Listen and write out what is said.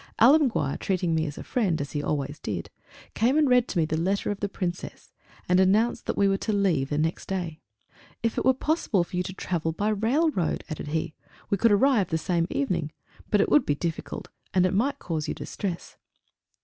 Alemguir, treating me as a friend, as he always did, came and read to me the letter of the Princess, and announced that we were to leave the next day. "If it were possible for you to travel by rail road," added he, "we could arrive the same evening; but it would be difficult, and it might cause you distress!..."